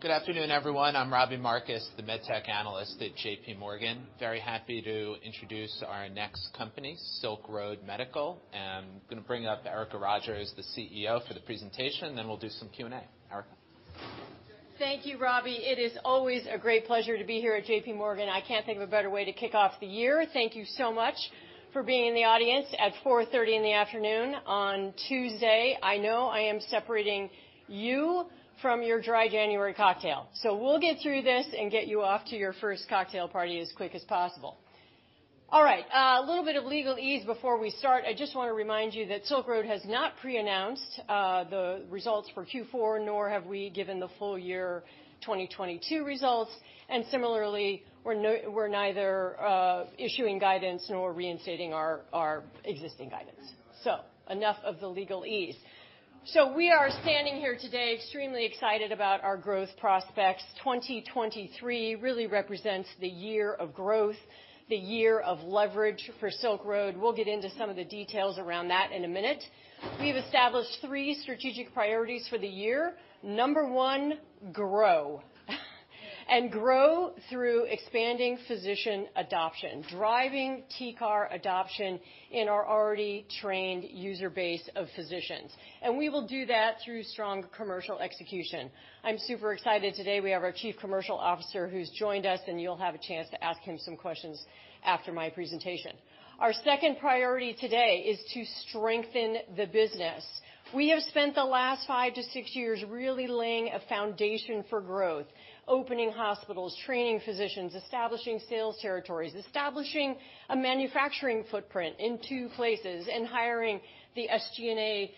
Good afternoon, everyone. I'm Robbie Marcus, the med tech analyst at J.P. Morgan. Very happy to introduce our next company, Silk Road Medical. I'm gonna bring up Erica Rogers, the CEO, for the presentation. We'll do some Q&A. Erica. Thank you, Robbie. It is always a great pleasure to be here at J.P. Morgan. I can't think of a better way to kick off the year. Thank you so much for being in the audience at 4:30 in the afternoon on Tuesday. I know I am separating you from your Dry January cocktail, so we'll get through this and get you off to your 1st cocktail party as quick as possible. All right, a little bit of legalese before we start. I just wanna remind you that Silk Road has not pre-announced the results for Q4, nor have we given the full year 2022 results. Similarly, we're neither issuing guidance nor reinstating our existing guidance. Enough of the legalese. We are standing here today extremely excited about our growth prospects. 2023 really represents the year of growth, the year of leverage for Silk Road Medical. We'll get into some of the details around that in a minute. We have established three strategic priorities for the year. Number one, grow. Grow through expanding physician adoption, driving TCAR adoption in our already trained user base of physicians, and we will do that through strong commercial execution. I'm super excited today we have our Chief Commercial Officer who's joined us, and you'll have a chance to ask him some questions after my presentation. Our 2nd priority today is to strengthen the business. We have spent the last five to six years really laying a foundation for growth, opening hospitals, training physicians, establishing sales territories, establishing a manufacturing footprint in two places, and hiring the SG&A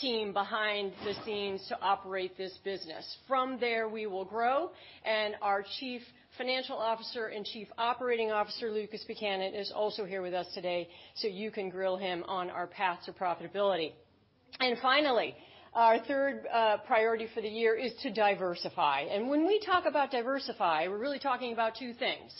team behind the scenes to operate this business. From there, we will grow, and our Chief Financial Officer and Chief Operating Officer, Lucas Buchanan, is also here with us today, so you can grill him on our path to profitability. Finally, our 3rd priority for the year is to diversify. When we talk about diversify, we're really talking about two things.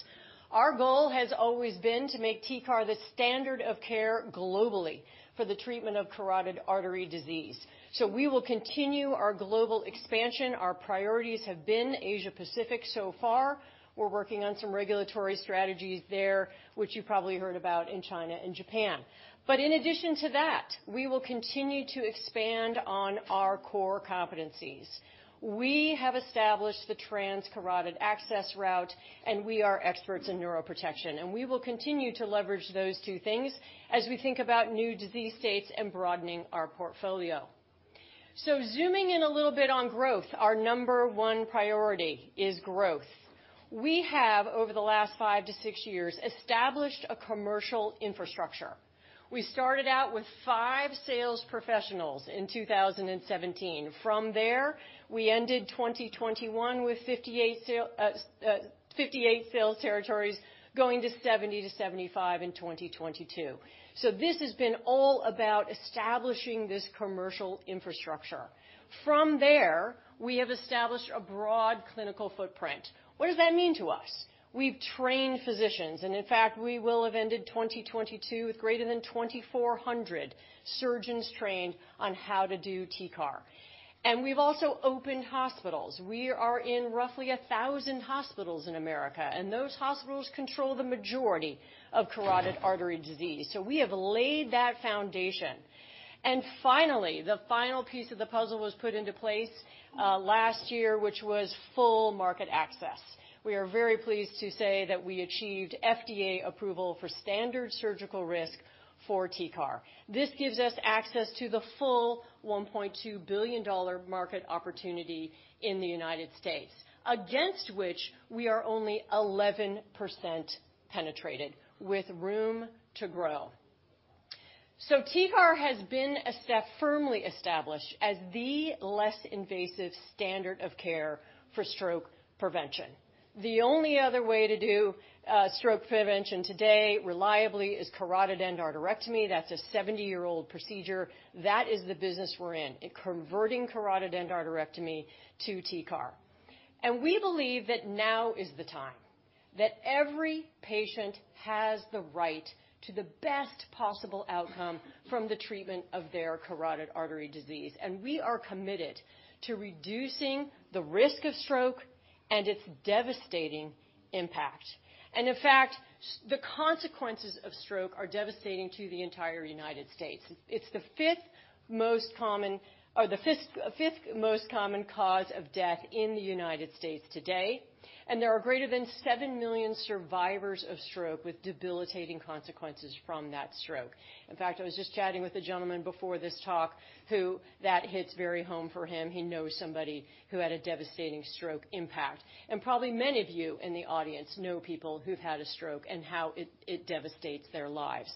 Our goal has always been to make TCAR the standard of care globally for the treatment of carotid artery disease, so we will continue our global expansion. Our priorities have been Asia-Pacific so far. We're working on some regulatory strategies there, which you probably heard about in China and Japan. In addition to that, we will continue to expand on our core competencies. We have established the transcarotid access route, and we are experts in neuroprotection, and we will continue to leverage those two things as we think about new disease states and broadening our portfolio. Zooming in a little bit on growth, our number one priority is growth. We have, over the last 5-6 years, established a commercial infrastructure. We started out with five sales professionals in 2017. We ended 2021 with 58 sales territories, going to 70-75 in 2022. This has been all about establishing this commercial infrastructure. We have established a broad clinical footprint. What does that mean to us? We've trained physicians, in fact, we will have ended 2022 with greater than 2,400 surgeons trained on how to do TCAR. We've also opened hospitals. We are in roughly 1,000 hospitals in America, those hospitals control the majority of carotid artery disease. We have laid that foundation. Finally, the final piece of the puzzle was put into place last year, which was full market access. We are very pleased to say that we achieved FDA approval for standard surgical risk for TCAR. This gives us access to the full $1.2 billion market opportunity in the United States, against which we are only 11% penetrated with room to grow. TCAR has been firmly established as the less invasive standard of care for stroke prevention. The only other way to do stroke prevention today reliably is carotid endarterectomy. That's a 70-year-old procedure. That is the business we're in converting carotid endarterectomy to TCAR. We believe that now is the time that every patient has the right to the best possible outcome from the treatment of their carotid artery disease, and we are committed to reducing the risk of stroke and its devastating impact. In fact, the consequences of stroke are devastating to the entire United States. It's the fifth most common or the fifth most common cause of death in the United States today, and there are greater than 7 million survivors of stroke with debilitating consequences from that stroke. In fact, I was just chatting with a gentleman before this talk who that hits very home for him. He knows somebody who had a devastating stroke impact. Probably many of you in the audience know people who've had a stroke and how it devastates their lives.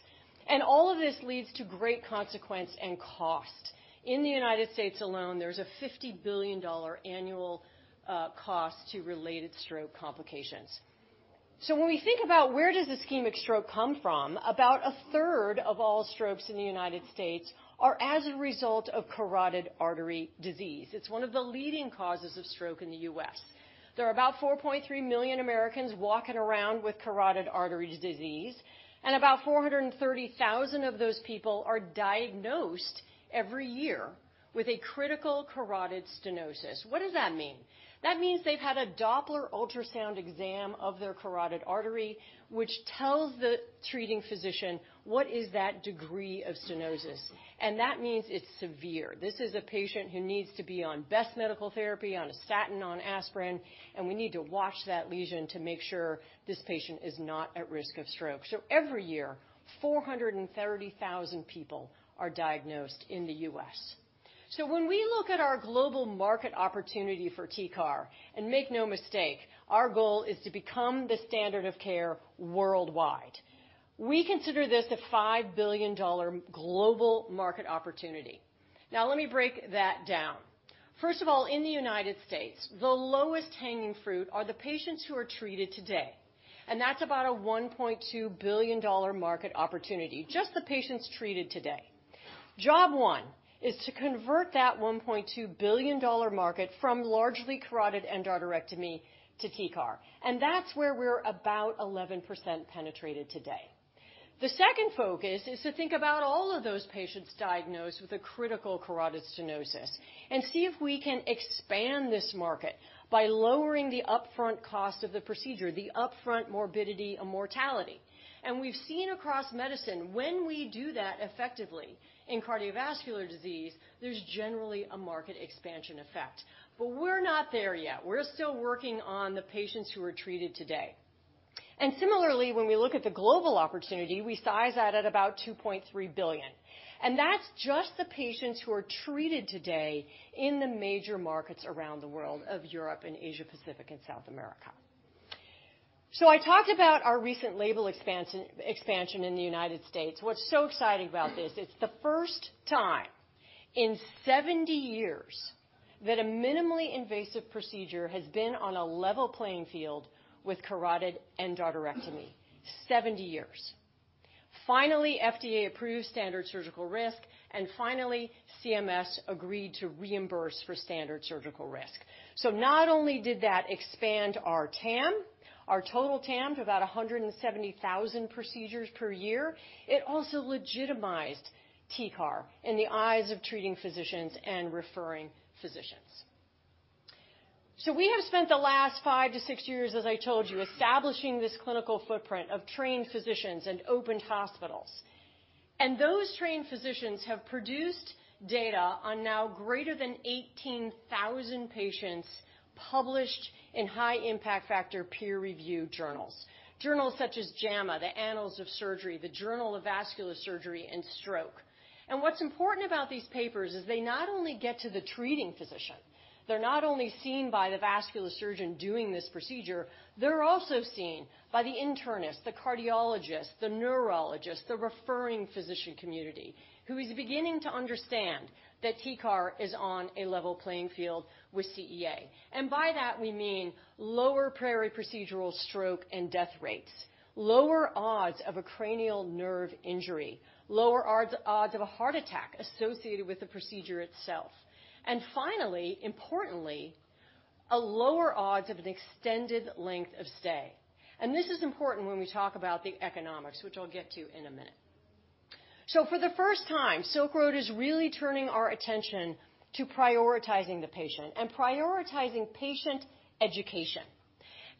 All of this leads to great consequence and cost. In the United States alone, there's a $50 billion annual cost to related stroke complications. When we think about where does ischemic stroke come from, about a 3rd of all strokes in the United States are as a result of carotid artery disease. It's one of the leading causes of stroke in the US. There are about 4.3 million Americans walking around with carotid artery disease, and about 430,000 of those people are diagnosed every year with a critical carotid stenosis. What does that mean? That means they've had a Doppler ultrasound exam of their carotid artery, which tells the treating physician what is that degree of stenosis, and that means it's severe. This is a patient who needs to be on best medical therapy, on a statin, on aspirin. We need to watch that lesion to make sure this patient is not at risk of stroke. Every year, 430,000 people are diagnosed in the U.S. When we look at our global market opportunity for TCAR, make no mistake, our goal is to become the standard of care worldwide. We consider this a $5 billion global market opportunity. Now let me break that down. First of all, in the United States, the lowest hanging fruit are the patients who are treated today. That's about a $1.2 billion market opportunity, just the patients treated today. Job one is to convert that $1.2 billion market from largely carotid endarterectomy to TCAR. That's where we're about 11% penetrated today. The 2nd focus is to think about all of those patients diagnosed with a critical carotid stenosis and see if we can expand this market by lowering the upfront cost of the procedure, the upfront morbidity and mortality. We've seen across medicine, when we do that effectively in cardiovascular disease, there's generally a market expansion effect. We're not there yet. We're still working on the patients who are treated today. Similarly, when we look at the global opportunity, we size that at about $2.3 billion. That's just the patients who are treated today in the major markets around the world of Europe and Asia-Pacific and South America. I talked about our recent label expansion in the United States. What's so exciting about this, it's the 1st time in 70 years that a minimally invasive procedure has been on a level playing field with carotid endarterectomy. 70 years. Finally, FDA approved standard surgical risk, and finally, CMS agreed to reimburse for standard surgical risk. Not only did that expand our TAM, our total TAM, to about 170,000 procedures per year, it also legitimized TCAR in the eyes of treating physicians and referring physicians. We have spent the last 5-6 years, as I told you, establishing this clinical footprint of trained physicians and opened hospitals. Those trained physicians have produced data on now greater than 18,000 patients published in high impact factor peer-review journals. Journals such as JAMA, the Annals of Surgery, the Journal of Vascular Surgery, and Stroke. What's important about these papers is they not only get to the treating physician, they're not only seen by the vascular surgeon doing this procedure, they're also seen by the internist, the cardiologist, the neurologist, the referring physician community, who is beginning to understand that TCAR is on a level playing field with CEA. By that, we mean lower periprocedural stroke and death rates, lower odds of a cranial nerve injury, lower odds of a heart attack associated with the procedure itself. Finally, importantly, a lower odds of an extended length of stay. This is important when we talk about the economics, which I'll get to in a minute. For the 1st time, Silk Road is really turning our attention to prioritizing the patient and prioritizing patient education.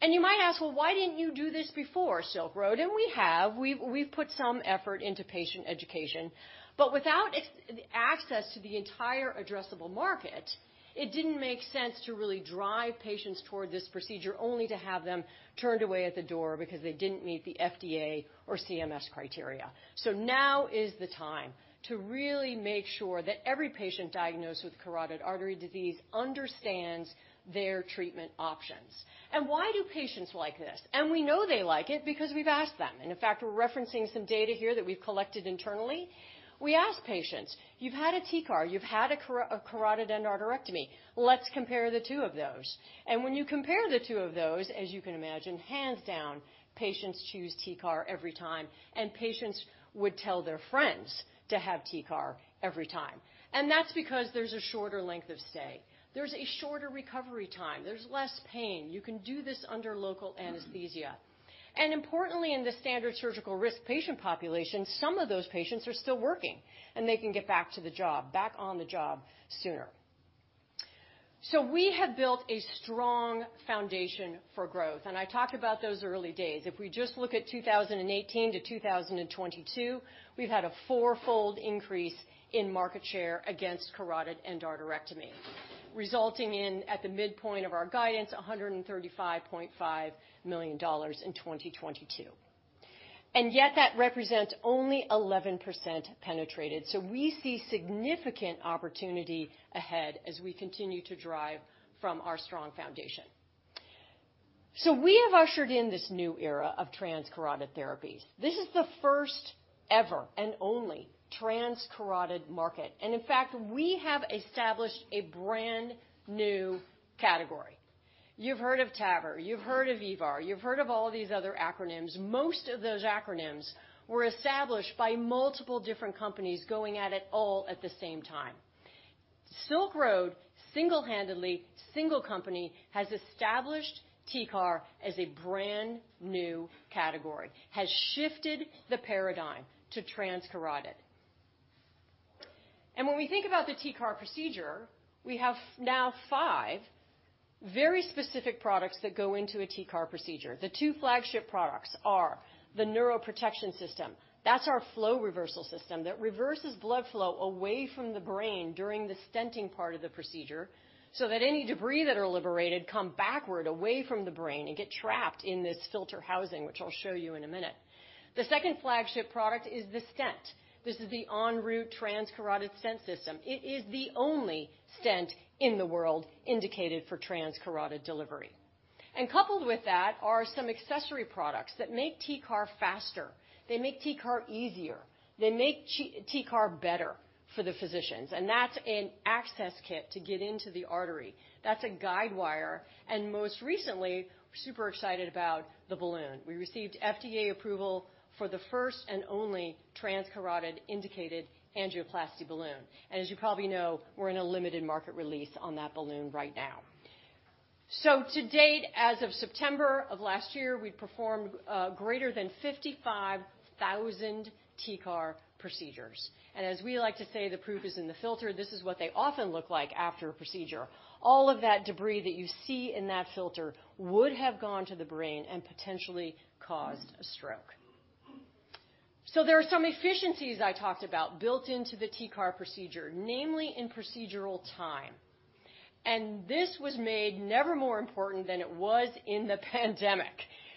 You might ask, "Well, why didn't you do this before, Silk Road?" We have. We've put some effort into patient education. Without the access to the entire addressable market, it didn't make sense to really drive patients toward this procedure, only to have them turned away at the door because they didn't meet the FDA or CMS criteria. Now is the time to really make sure that every patient diagnosed with carotid artery disease understands their treatment options. Why do patients like this? We know they like it because we've asked them. In fact, we're referencing some data here that we've collected internally. We ask patients, "You've had a TCAR, you've had a carotid endarterectomy. Let's compare the two of those." When you compare the two of those, as you can imagine, hands down, patients choose TCAR every time, and patients would tell their friends to have TCAR every time. That's because there's a shorter length of stay. There's a shorter recovery time. There's less pain. You can do this under local anesthesia. Importantly, in the standard surgical risk patient population, some of those patients are still working, and they can get back to the job, back on the job sooner. We have built a strong foundation for growth, and I talked about those early days. If we just look at 2018-2022, we've had a four-fold increase in market share against carotid endarterectomy, resulting in, at the midpoint of our guidance, $135.5 million in 2022. Yet that represents only 11% penetrated. We see significant opportunity ahead as we continue to drive from our strong foundation. We have ushered in this new era of transcarotid therapies. This is the 1st ever and only transcarotid market. In fact, we have established a brand-new category. You've heard of TAVR, you've heard of EVAR, you've heard of all these other acronyms. Most of those acronyms were established by multiple different companies going at it all at the same time. Silk Road singlehandedly, single company, has established TCAR as a brand-new category. Has shifted the paradigm to transcarotid. When we think about the TCAR procedure, we have now five very specific products that go into a TCAR procedure. The two flagship products are the neuroprotection system. That's our flow reversal system that reverses blood flow away from the brain during the stenting part of the procedure, so that any debris that are liberated come backward away from the brain and get trapped in this filter housing, which I'll show you in a minute. The second flagship product is the stent. This is the ENROUTE Transcarotid Stent System. It is the only stent in the world indicated for transcarotid delivery. Coupled with that are some accessory products that make TCAR faster, they make TCAR easier, they make TCAR better for the physicians, and that's an access kit to get into the artery. That's a guide wire. Most recently, we're super excited about the balloon. We received FDA approval for the 1st and only transcarotid-indicated angioplasty balloon. As you probably know, we're in a limited market release on that balloon right now. To date, as of September of last year, we've performed greater than 55,000 TCAR procedures. As we like to say, the proof is in the filter. This is what they often look like after a procedure. All of that debris that you see in that filter would have gone to the brain and potentially caused a stroke. There are some efficiencies I talked about built into the TCAR procedure, namely in procedural time. This was made never more important than it was in the pandemic.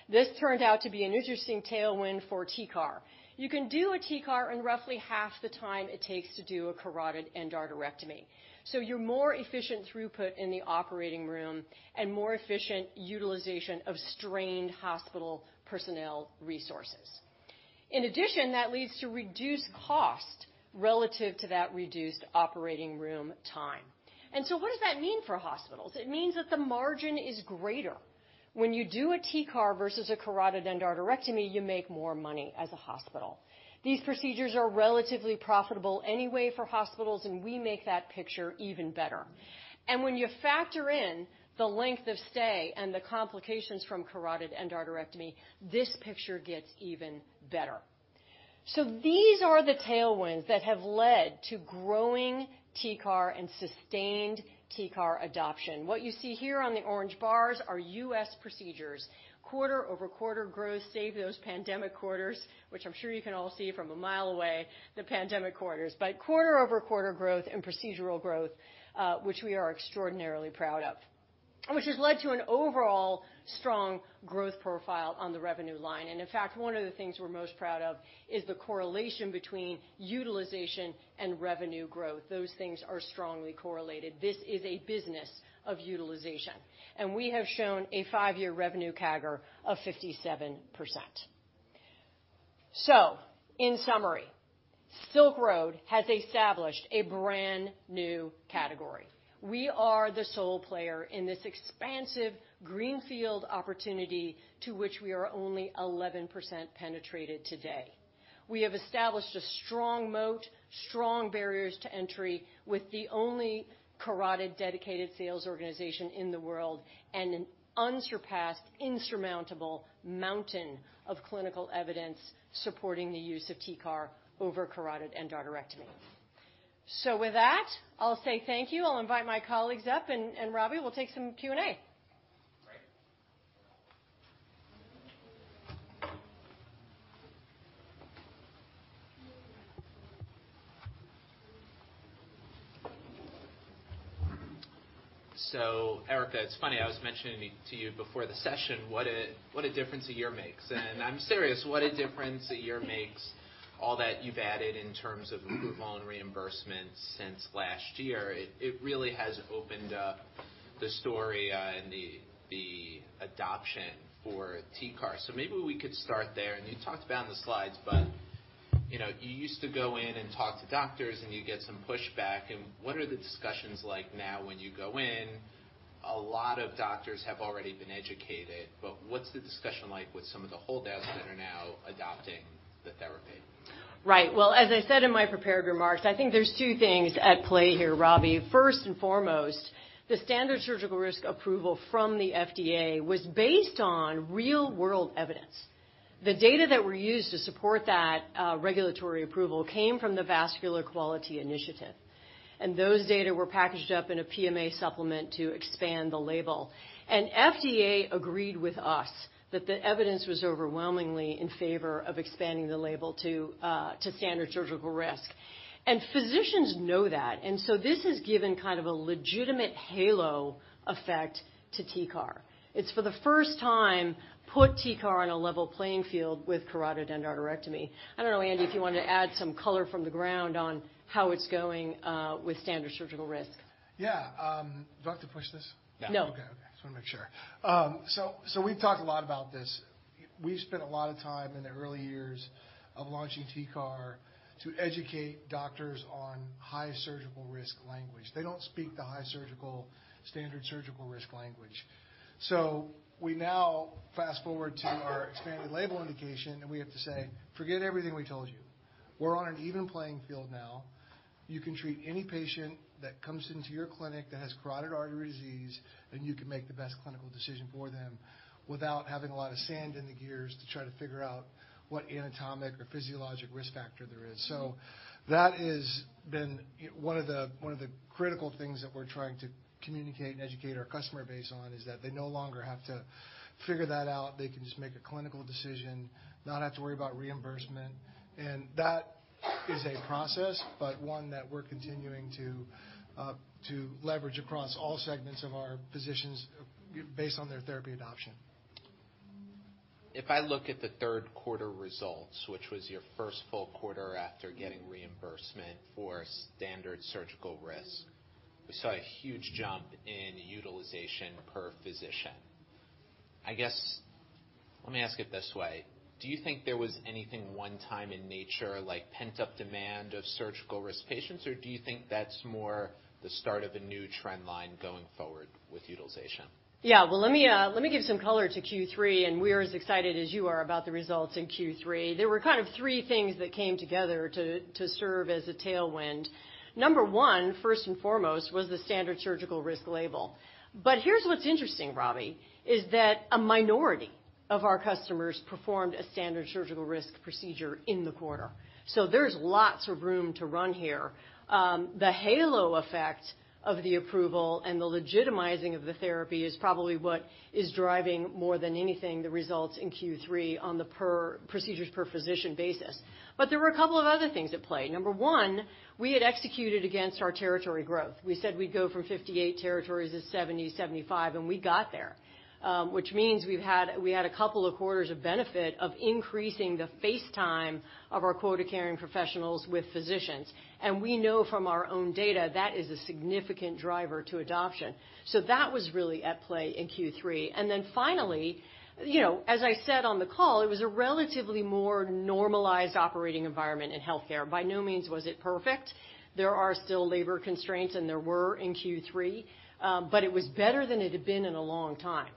This turned out to be an interesting tailwind for TCAR. You can do a TCAR in roughly half the time it takes to do a carotid endarterectomy, so you're more efficient throughput in the operating room and more efficient utilization of strained hospital personnel resources. In addition, that leads to reduced cost relative to that reduced operating room time. What does that mean for hospitals? It means that the margin is greater. When you do a TCAR versus a carotid endarterectomy, you make more money as a hospital. These procedures are relatively profitable anyway for hospitals, we make that picture even better. When you factor in the length of stay and the complications from carotid endarterectomy, this picture gets even better. These are the tailwinds that have led to growing TCAR and sustained TCAR adoption. What you see here on the orange bars are U.S. procedures, quarter-over-quarter growth, save those pandemic quarters, which I'm sure you can all see from a mile away the pandemic quarters. Quarter-over-quarter growth and procedural growth, which we are extraordinarily proud of, which has led to an overall strong growth profile on the revenue line. In fact, one of the things we're most proud of is the correlation between utilization and revenue growth. Those things are strongly correlated. This is a business of utilization. We have shown a five-year revenue CAGR of 57%. In summary, Silk Road has established a brand-new category. We are the sole player in this expansive greenfield opportunity to which we are only 11% penetrated today. We have established a strong moat, strong barriers to entry with the only carotid-dedicated sales organization in the world and an unsurpassed, insurmountable mountain of clinical evidence supporting the use of TCAR over carotid endarterectomy. With that, I'll say thank you. I'll invite my colleagues up, and Robbie will take some Q&A. Great. Erica, it's funny, I was mentioning to you before the session what a difference a year makes. I'm serious, what a difference a year makes. All that you've added in terms of approval and reimbursement since last year, it really has opened up the story and the adoption for TCAR. Maybe we could start there. You talked about in the slides, but, you know, you used to go in and talk to doctors, and you'd get some pushback. What are the discussions like now when you go in? A lot of doctors have already been educated, but what's the discussion like with some of the holdouts that are now adopting the therapy? Right. Well, as I said in my prepared remarks, I think there's two things at play here, Robbie. First and foremost, the standard surgical risk approval from the FDA was based on real-world evidence. The data that were used to support that regulatory approval came from the Vascular Quality Initiative, and those data were packaged up in a PMA supplement to expand the label. FDA agreed with us that the evidence was overwhelmingly in favor of expanding the label to standard surgical risk. Physicians know that, so this has given kind of a legitimate halo effect to TCAR. It's for the 1st time put TCAR on a level playing field with carotid endarterectomy. I don't know, Andy, if you want to add some color from the ground on how it's going with standard surgical risk. Yeah, do I have to push this? Yeah. No. Okay. Okay. Just wanna make sure. We've talked a lot about this. We've spent a lot of time in the early years of launching TCAR to educate doctors on high surgical risk language. They don't speak the standard surgical risk language. We now fast-forward to our expanded label indication, and we have to say, "Forget everything we told you. We're on an even playing field now. You can treat any patient that comes into your clinic that has carotid artery disease, and you can make the best clinical decision for them without having a lot of sand in the gears to try to figure out what anatomic or physiologic risk factor there is. That is been one of the critical things that we're trying to communicate and educate our customer base on, is that they no longer have to figure that out. They can just make a clinical decision, not have to worry about reimbursement. That is a process, but one that we're continuing to leverage across all segments of our physicians based on their therapy adoption. If I look at the 3rd quarter results, which was your 1st full quarter after getting reimbursement for standard surgical risk, we saw a huge jump in utilization per physician. I guess, let me ask it this way. Do you think there was anything one time in nature, like pent-up demand of surgical risk patients, or do you think that's more the start of a new trend line going forward with utilization? Well, let me give some color to Q3, and we're as excited as you are about the results in Q3. There were kind of three things that came together to serve as a tailwind. Number one, 1st and foremost, was the standard surgical risk label. Here's what's interesting, Robbie, is that a minority of our customers performed a standard surgical risk procedure in the quarter. There's lots of room to run here. The halo effect of the approval and the legitimizing of the therapy is probably what is driving, more than anything, the results in Q3 on the per procedures per physician basis. There were a couple of other things at play. Number one, we had executed against our territory growth. We said we'd go from 58 territories to 70-75, and we got there. Which means we had a couple of quarters of benefit of increasing the face time of our quota-carrying professionals with physicians. We know from our own data that is a significant driver to adoption. That was really at play in Q3. Finally, you know, as I said on the call, it was a relatively more normalized operating environment in healthcare. By no means was it perfect. There are still labor constraints, and there were in Q3, but it was better than it had been in a long time.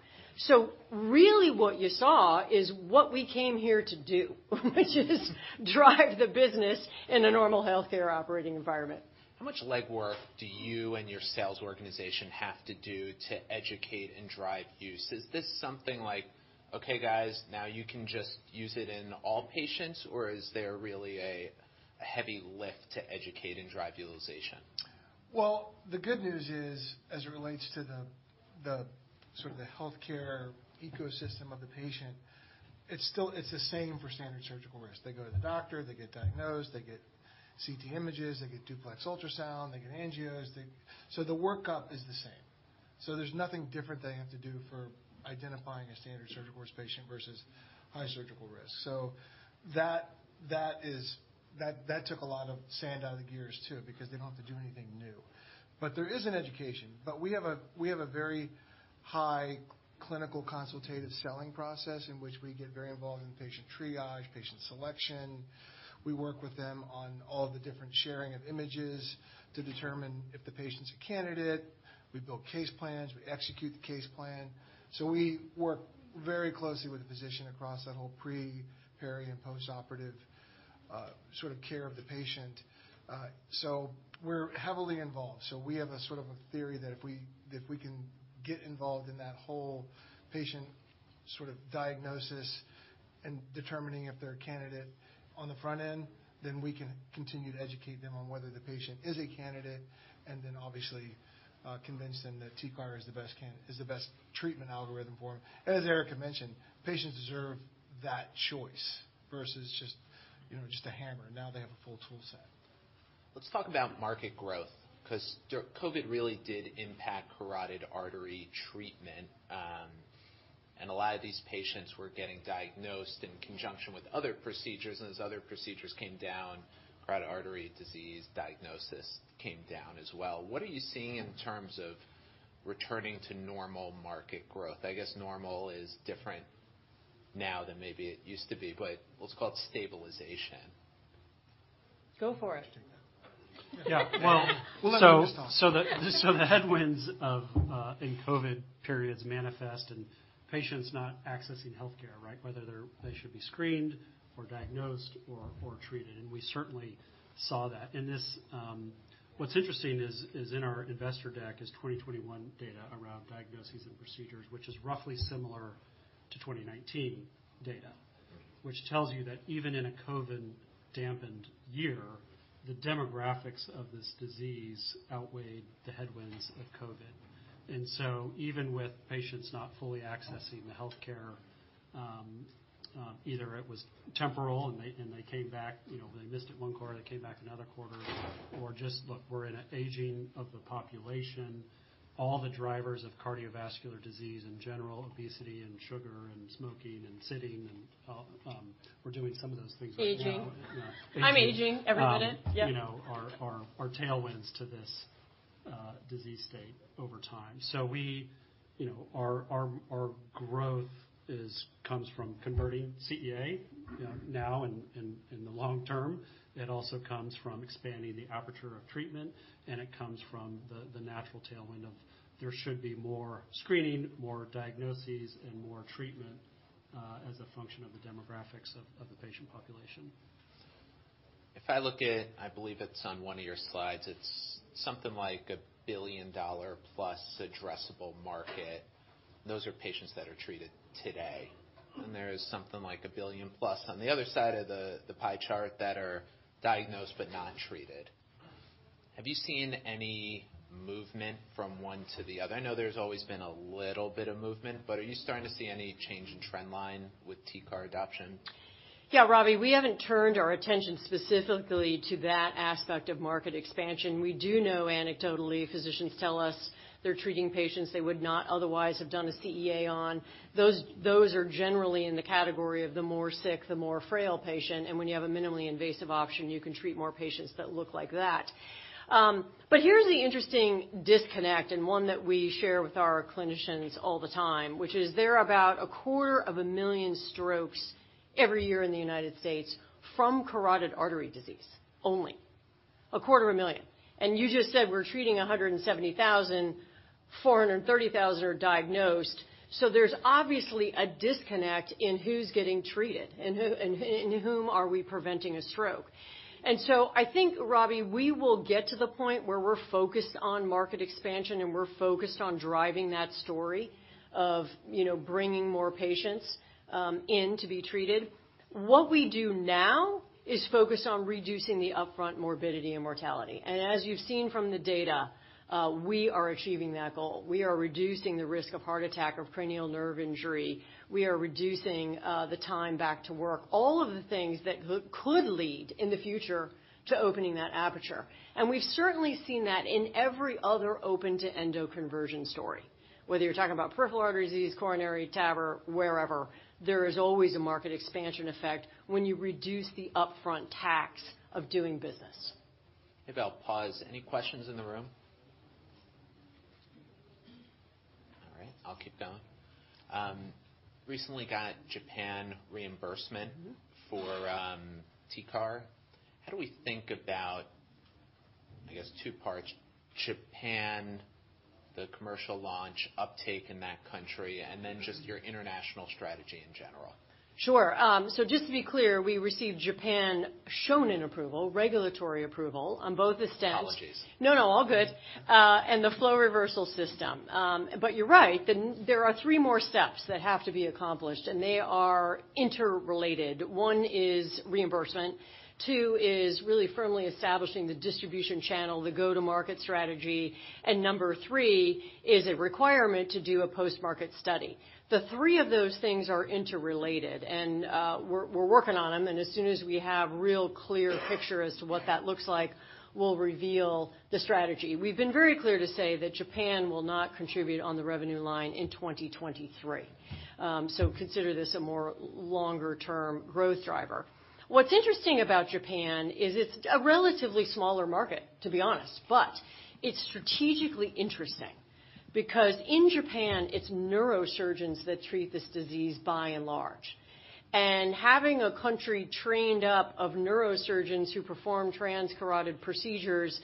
Really what you saw is what we came here to do which is drive the business in a normal healthcare operating environment. How much legwork do you and your sales organization have to do to educate and drive use? Is this something like, "Okay guys, now you can just use it in all patients?" Is there really a heavy lift to educate and drive utilization? Well, the good news is, as it relates to the sort of the healthcare ecosystem of the patient, it's still it's the same for standard surgical risk. They go to the doctor, they get diagnosed, they get CT images, they get duplex ultrasound, they get angios. The workup is the same. There's nothing different they have to do for identifying a standard surgical risk patient versus high surgical risk. That is that took a lot of sand out of the gears, too, because they don't have to do anything new. But there is an education. We have a very high clinical consultative selling process in which we get very involved in patient triage, patient selection. We work with them on all the different sharing of images to determine if the patient's a candidate. We build case plans. We execute the case plan. We work very closely with the physician across that whole pre, peri, and postoperative sort of care of the patient. We're heavily involved. We have a sort of a theory that if we can get involved in that whole patient sort of diagnosis and determining if they're a candidate on the front end, then we can continue to educate them on whether the patient is a candidate, and then obviously, convince them that TCAR is the best treatment algorithm for them. As Erica mentioned, patients deserve that choice versus just, you know, just a hammer. Now they have a full tool set. Let's talk about market growth, 'cause COVID really did impact carotid artery treatment, and a lot of these patients were getting diagnosed in conjunction with other procedures. As other procedures came down, carotid artery disease diagnosis came down as well. What are you seeing in terms of returning to normal market growth? I guess normal is different now than maybe it used to be, but let's call it stabilization. Go for it. Yeah. Well, let him just talk. The headwinds of in COVID periods manifest in patients not accessing healthcare, right? Whether they should be screened or diagnosed or treated. We certainly saw that. This, what's interesting in our investor deck is 2021 data around diagnoses and procedures, which is roughly similar to 2019 data. Okay. Which tells you that even in a COVID-dampened year, the demographics of this disease outweighed the headwinds of COVID. Even with patients not fully accessing the healthcare, either it was temporal and they came back, you know, they missed it one quarter, they came back another quarter, or just, look, we're in a aging of the population. All the drivers of cardiovascular disease in general, obesity and sugar and smoking and sitting, we're doing some of those things right now. Aging. Yeah. I'm aging every minute. Yep. You know, are tailwinds to this disease state over time. We, you know, our growth comes from converting CEA, you know, now and in the long term. It also comes from expanding the aperture of treatment, and it comes from the natural tailwind of there should be more screening, more diagnoses, and more treatment as a function of the demographics of the patient population. If I look at, I believe it's on one of your slides, it's something like a billion-dollar-plus addressable market. Those are patients that are treated today. There is something like a billion plus on the other side of the pie chart that are diagnosed but not treated. Have you seen any movement from one to the other? I know there's always been a little bit of movement, are you starting to see any change in trend line with TCAR adoption? Robbie, we haven't turned our attention specifically to that aspect of market expansion. We do know anecdotally, physicians tell us they're treating patients they would not otherwise have done a CEA on. Those are generally in the category of the more sick, the more frail patient, and when you have a minimally invasive option, you can treat more patients that look like that. Here's the interesting disconnect and one that we share with our clinicians all the time, which is there are about a 250, 000 strokes every year in the United States from carotid artery disease, only. A 250, 000. You just said we're treating 170,000, 430,000 are diagnosed. There's obviously a disconnect in who's getting treated and who, and whom are we preventing a stroke. I think, Robbie, we will get to the point where we're focused on market expansion and we're focused on driving that story of, you know, bringing more patients in to be treated. What we do now is focus on reducing the upfront morbidity and mortality. As you've seen from the data, we are achieving that goal. We are reducing the risk of heart attack or cranial nerve injury. We are reducing the time back to work, all of the things that could lead in the future to opening that aperture. We've certainly seen that in every other open to endo conversion story. Whether you're talking about peripheral artery disease, coronary, TAVR, wherever, there is always a market expansion effect when you reduce the upfront tax of doing business. Maybe I'll pause. Any questions in the room? All right, I'll keep going. Recently got Japan reimbursement. Mm-hmm. -for, TCAR. How do we think about, I guess two parts, Japan, the commercial launch uptake in that country, and then just your international strategy in general? Sure. Just to be clear, we received Japan Shonin approval, regulatory approval on both the stents. Apologies. No, no, all good. The flow reversal system. You're right. There are three more steps that have to be accomplished, and they are interrelated. One is reimbursement. Two is really firmly establishing the distribution channel, the go-to-market strategy. Number three is a requirement to do a post-market study. The three of those things are interrelated, and we're working on them, and as soon as we have real clear picture as to what that looks like, we'll reveal the strategy. We've been very clear to say that Japan will not contribute on the revenue line in 2023. Consider this a more longer-term growth driver. What's interesting about Japan is it's a relatively smaller market, to be honest. It's strategically interesting because in Japan, it's neurosurgeons that treat this disease by and large. Having a country trained up of neurosurgeons who perform transcarotid procedures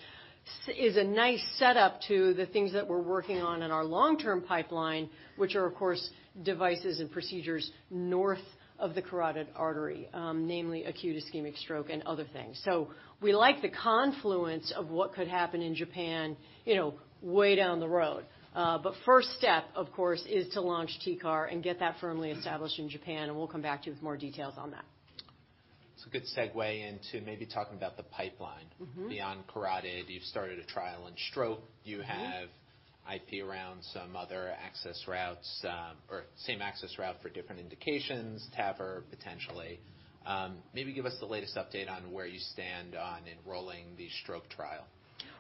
is a nice setup to the things that we're working on in our long-term pipeline, which are, of course, devices and procedures north of the carotid artery, namely acute ischemic stroke and other things. We like the confluence of what could happen in Japan, you know, way down the road. First step, of course, is to launch TCAR and get that firmly established in Japan, and we'll come back to you with more details on that. It's a good segue into maybe talking about the pipeline. Mm-hmm. Beyond carotid, you've started a trial in stroke. Mm-hmm. You have IP around some other access routes, or same access route for different indications, TAVR potentially. Maybe give us the latest update on where you stand on enrolling the stroke trial.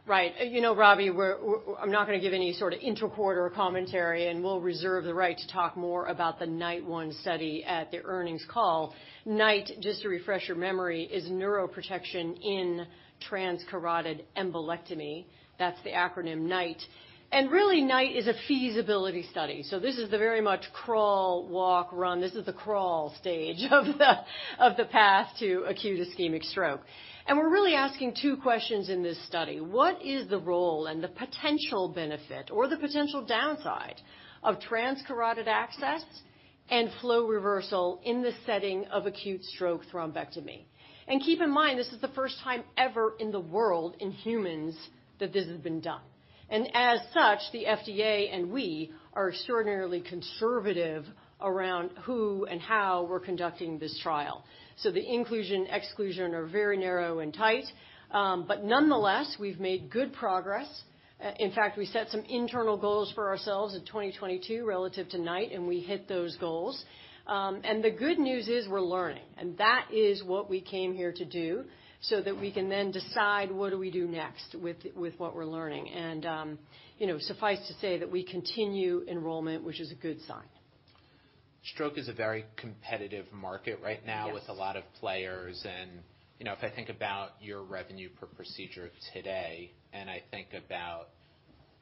Right. You know, Robbie, we're I'm not gonna give any sort of inter-quarter commentary. We'll reserve the right to talk more about the NIGHT 1 study at the earnings call. NIGHT, just to refresh your memory, is Neuroprotection in Transcarotid Embolectomy. That's the acronym NIGHT. Really, NIGHT is a feasibility study. This is the very much crawl, walk, run. This is the crawl stage of the path to acute ischemic stroke. We're really asking two questions in this study. What is the role and the potential benefit or the potential downside of transcarotid access and flow reversal in the setting of acute stroke thrombectomy? Keep in mind, this is the 1st time ever in the world in humans that this has been done. As such, the FDA and we are extraordinarily conservative around who and how we're conducting this trial. The inclusion, exclusion are very narrow and tight. Nonetheless, we've made good progress. In fact, we set some internal goals for ourselves in 2022 relative to NIGHT, and we hit those goals. The good news is we're learning, and that is what we came here to do, so that we can then decide what do we do next with what we're learning. You know, suffice to say that we continue enrollment, which is a good sign. Stroke is a very competitive market right now. Yes. With a lot of players and, you know, if I think about your revenue per procedure today, and I think about,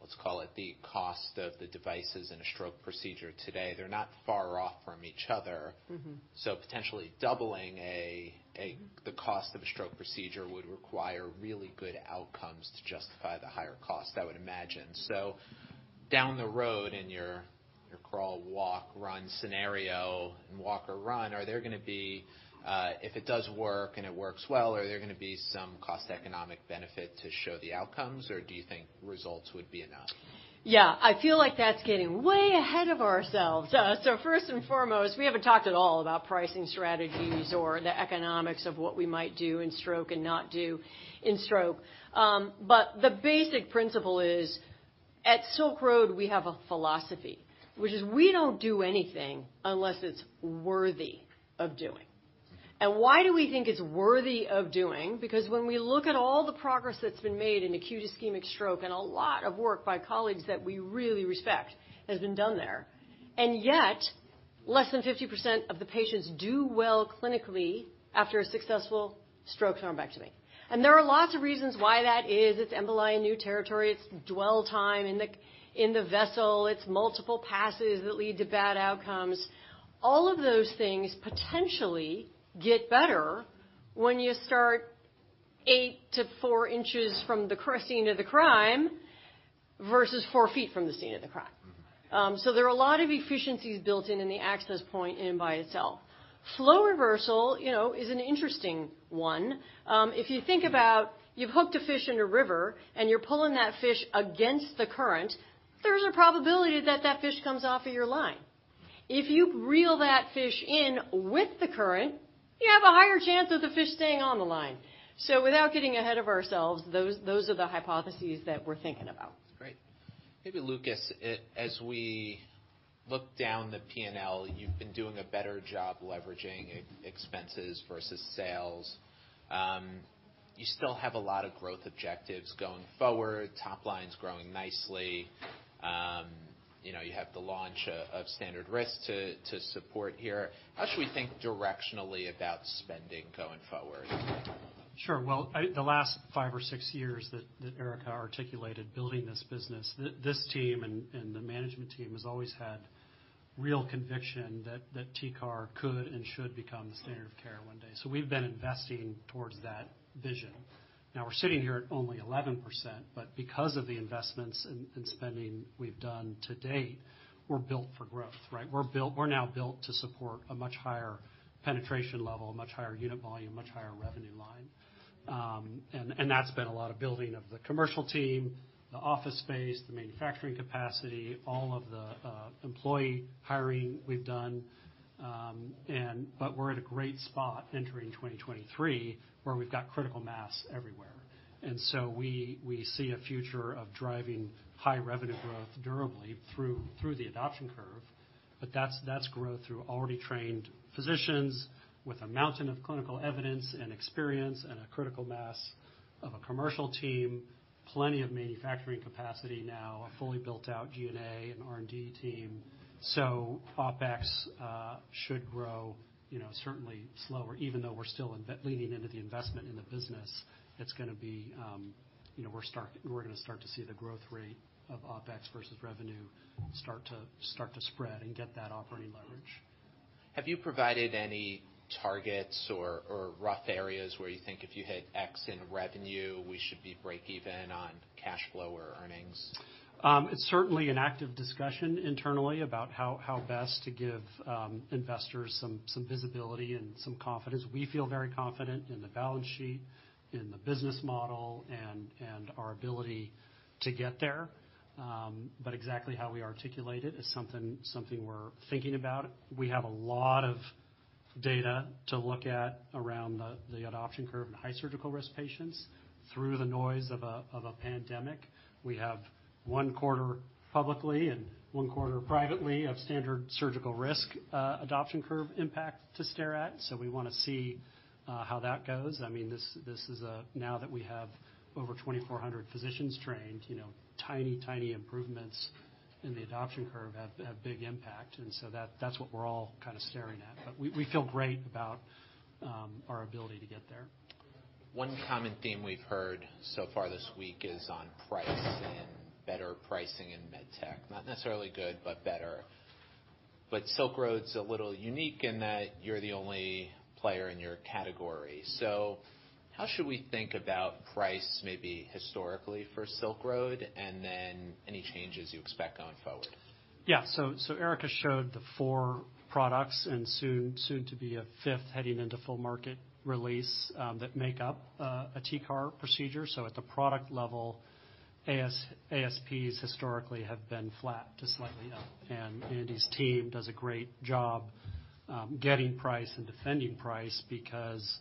let's call it the cost of the devices in a stroke procedure today, they're not far off from each other. Mm-hmm. potentially doubling. The cost of a stroke procedure require really good outcomes to justify the higher cost, I would imagine. Down the road in your crawl, walk, run scenario, in walk or run, are there gonna be, if it does work, and it works well, are there gonna be some cost economic benefit to show the outcomes, or do you think results would be enough? Yeah. I feel like that's getting way ahead of ourselves. First and foremost, we haven't talked at all about pricing strategies or the economics of what we might do in stroke and not do in stroke. The basic principle is at Silk Road, we have a philosophy, which is we don't do anything unless it's worthy of doing. Why do we think it's worthy of doing? When we look at all the progress that's been made in acute ischemic stroke, a lot of work by colleagues that we really respect has been done there, yet, less than 50% of the patients do well clinically after a successful stroke thrombectomy. There are lots of reasons why that is. It's emboli in new territory. It's dwell time in the vessel. It's multiple passes that lead to bad outcomes. All of those things potentially get better when you start 8 inch-4 inch from the scene of the crime versus 4 ft from the scene of the crime. Mm-hmm. There are a lot of efficiencies built in in the access point in by itself. Flow reversal, you know, is an interesting one. If you think about you've hooked a fish in a river, and you're pulling that fish against the current, there's a probability that that fish comes off of your line. If you reel that fish in with the current, you have a higher chance of the fish staying on the line. Without getting ahead of ourselves, those are the hypotheses that we're thinking about. Great. Maybe Lucas, as we look down the P&L, you've been doing a better job leveraging expenses versus sales. You still have a lot of growth objectives going forward. Top line's growing nicely. you know, you have the launch of standard risk to support here. How should we think directionally about spending going forward? Sure. Well, the last five or six years that Erica articulated building this business, this team and the management team has always had real conviction that TCAR could and should become the standard of care one day. We've been investing towards that vision. We're sitting here at only 11%, but because of the investments and spending we've done to date, we're built for growth, right? We're now built to support a much higher penetration level, a much higher unit volume, much higher revenue line. And that's been a lot of building of the commercial team, the office space, the manufacturing capacity, all of the employee hiring we've done. We're at a great spot entering 2023, where we've got critical mass everywhere. We see a future of driving high revenue growth durably through the adoption curve, that's growth through already trained physicians with a mountain of clinical evidence and experience and a critical mass of a commercial team, plenty of manufacturing capacity now, a fully built out G&A and R&D team. OpEx should grow, you know, certainly slower. Even though we're still leaning into the investment in the business, it's gonna be, you know, we're gonna start to see the growth rate of OpEx versus revenue start to spread and get that operating leverage. Have you provided any targets or rough areas where you think if you hit X in revenue, we should be break even on cash flow or earnings? It's certainly an active discussion internally about how best to give investors some visibility and some confidence. We feel very confident in the balance sheet, in the business model, and our ability to get there. Exactly how we articulate it is something we're thinking about. We have a lot of data to look at around the adoption curve in high surgical risk patients through the noise of a pandemic. We have one quarter publicly and one quarter privately of standard surgical risk adoption curve impact to stare at. We wanna see how that goes. I mean, now that we have over 2,400 physicians trained, you know, tiny improvements in the adoption curve have big impact. That's what we're all kinda staring at. We feel great about our ability to get there. One common theme we've heard so far this week is on price and better pricing in med tech. Not necessarily good, but better. Silk Road's a little unique in that you're the only player in your category. How should we think about price maybe historically for Silk Road, and then any changes you expect going forward? Erica showed the four products, and soon to be a fifth heading into full market release, that make up a TCAR procedure. At the product level, ASPs historically have been flat to slightly up. Andy's team does a great job getting price and defending price because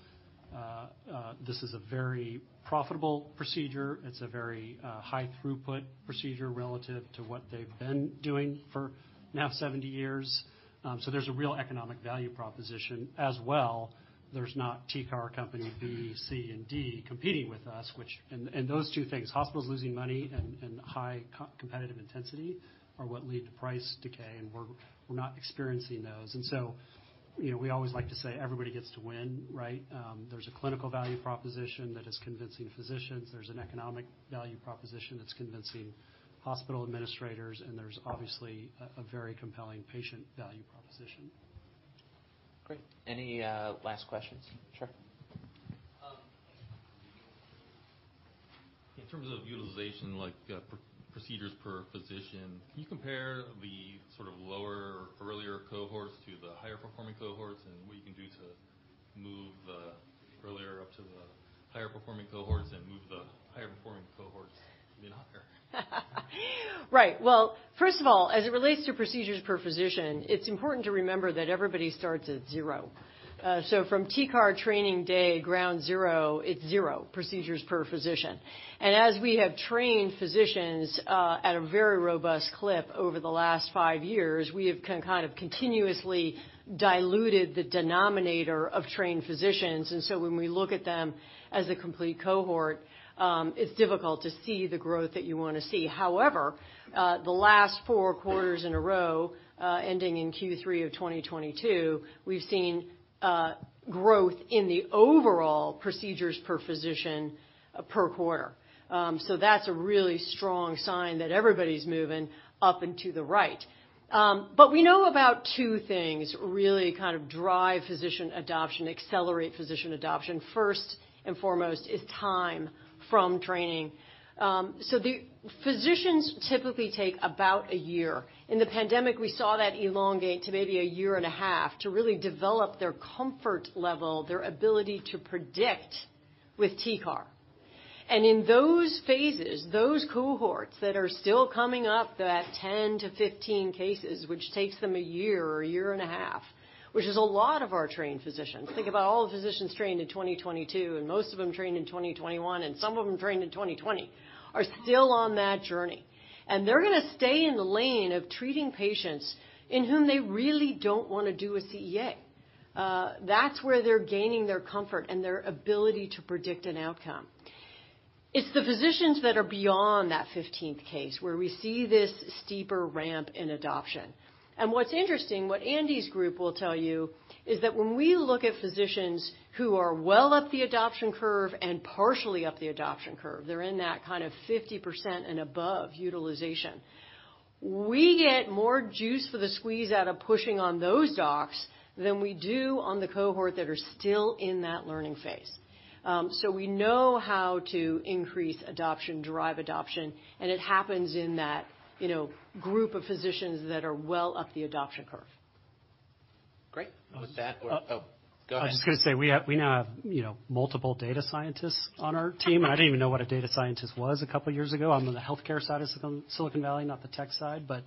this is a very profitable procedure. It's a very high throughput procedure relative to what they've been doing for now 70 years. There's a real economic value proposition. As well, there's not TCAR company B, C, and D competing with us, which. Those two things, hospitals losing money and high co-competitive intensity are what lead to price decay, and we're not experiencing those. You know, we always like to say everybody gets to win, right? There's a clinical value proposition that is convincing physicians. There's an economic value proposition that's convincing hospital administrators. There's obviously a very compelling patient value proposition. Great. Any last questions? Sure. In terms of utilization, like, procedures per physician, can you compare the sort of lower earlier cohorts to the higher performing cohorts and what you can do to move the earlier up to the higher performing cohorts and move the higher performing cohorts even higher? Right. Well, 1st of all, as it relates to procedures per physician, it's important to remember that everybody starts at zero. From TCAR training day ground zero, it's zero procedures per physician. As we have trained physicians, at a very robust clip over the last five years, we have kind of continuously diluted the denominator of trained physicians. When we look at them as a complete cohort, it's difficult to see the growth that you wanna see. However, the last four quarters in a row, ending in Q3 of 2022, we've seen growth in the overall procedures per physician per quarter. That's a really strong sign that everybody's moving up and to the right. We know about two things really kind of drive physician adoption, accelerate physician adoption. First and foremost, is time from training. The physicians typically take about 1 year. In the pandemic, we saw that elongate to maybe 1 year and a half to really develop their comfort level, their ability to predict with TCAR. In those phases, those cohorts that are still coming up, that 10-15 cases, which takes them 1 year or 1 year and a half, which is a lot of our trained physicians. Think about all the physicians trained in 2022, and most of them trained in 2021, and some of them trained in 2020, are still on that journey. They're gonna stay in the lane of treating patients in whom they really don't wanna do a CEA. That's where they're gaining their comfort and their ability to predict an outcome. It's the physicians that are beyond that 15th case where we see this steeper ramp in adoption. What's interesting, what Andy's group will tell you, is that when we look at physicians who are well up the adoption curve and partially up the adoption curve, they're in that kind of 50% and above utilization, we get more juice for the squeeze out of pushing on those docs than we do on the cohort that are still in that learning phase. We know how to increase adoption, drive adoption, and it happens in that, you know, group of physicians that are well up the adoption curve. Great. With that... Oh, go ahead. I was just gonna say, we now have, you know, multiple data scientists on our team. I didn't even know what a data scientist was a couple years ago. I'm on the healthcare side of Silicon Valley, not the tech side, but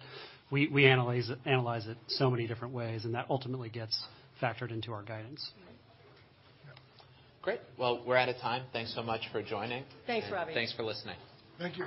we analyze it so many different ways, and that ultimately gets factored into our guidance. Mm-hmm. Great. Well, we're out of time. Thanks so much for joining. Thanks, Robbie. Thanks for listening. Thank you.